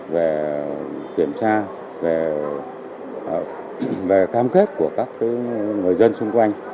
về kiểm tra về cam kết của các người dân xung quanh